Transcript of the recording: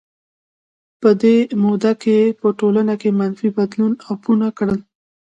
په دې موده کې په ټولنه کې منفي بدلونونو اپوټه کړل.